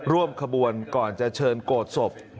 ร่วมขบวนก่อนจะเชิญโกรธศพ